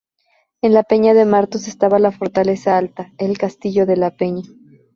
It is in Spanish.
En la peña de Martos estaba la fortaleza alta, el castillo de la Peña.